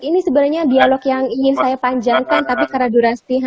ini sebenarnya dialog yang ingin saya panjangkan tapi karena durasi